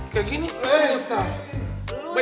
kayak gini susah